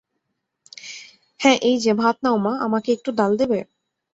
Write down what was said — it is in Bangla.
হ্যাঁ এইযে, ভাত নাও মা - আমাকে একটু ডাল দেবে?